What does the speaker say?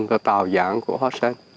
và tàu dạng của hoa sen